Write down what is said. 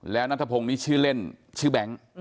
แล้วนัทพงศ์นี่ชื่อเล่นชื่อแบงค์